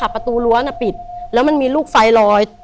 ประตูรั้วน่ะปิดแล้วมันมีลูกไฟลอย